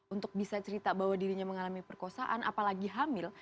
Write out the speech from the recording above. untuk bisa cerita bahwa dirinya mengalami perkosaan apalagi hamil